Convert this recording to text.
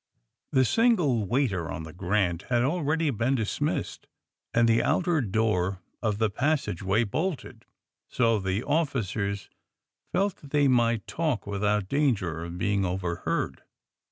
The single waiter on the ^^ Grant ^' had already been dismissed, and the outer door of the pas sageway bolted. So the officers felt that they might talk without danger of being overheard.